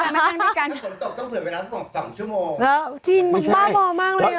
เพราะว่าทำอะไรได้ก็ต้องทำเลย